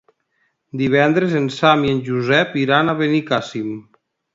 Divendres en Sam i en Josep iran a Benicàssim.